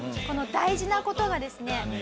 この大事な事がですね